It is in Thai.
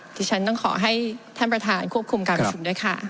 ที่ฉันต้องขอให้ท่านประธานควบคุมการประชุมด้วยค่ะ